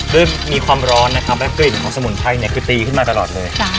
ด้วยความร้อนนะครับและกลิ่นของสมุนไพรเนี่ยคือตีขึ้นมาตลอดเลย